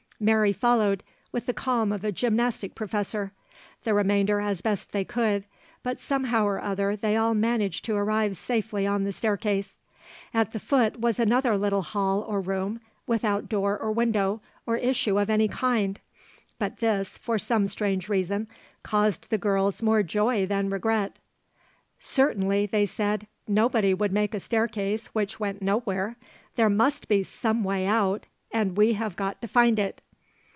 Mary followed with the calm of a gymnastic professor, the remainder as best they could, but somehow or other they all managed to arrive safely on the staircase. At the foot was another little hall or room, without door or window or issue of any kind; but this, for some strange reason, caused the girls more joy than regret. 'Certainly,' they said, 'nobody would make a staircase which went nowhere! There must be some way out and we have got to find it.'